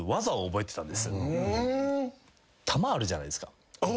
玉あるじゃないですか。